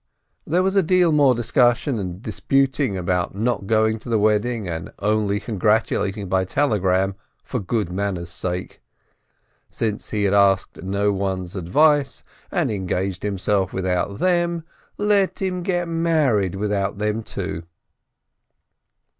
There was a deal more discussion and disputing about not going to the wedding, and only congratulating by telegram, for good manners' sake. Since he had asked no one's advice, and engaged himself without them, let him get married without them, too